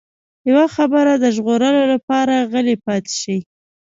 يوه خبره د ژغورلو لپاره غلی پاتې شي.